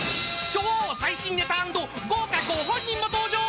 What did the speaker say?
［超最新ネタ＆豪華ご本人も登場］